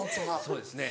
そうですね。